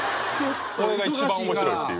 これが一番面白いっていう。